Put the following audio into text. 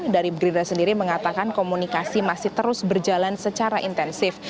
dari gerindra sendiri mengatakan komunikasi masih terus berjalan secara intensif